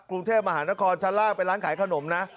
กรุงเทพมหานครชั้นล่างเป็นร้านขายขนมนะ